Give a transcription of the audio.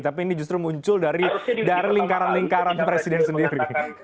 tapi ini justru muncul dari lingkaran lingkaran presiden sendiri